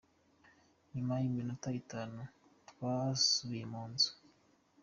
Nyuma y’iminota itanu twasubiye mu nzu.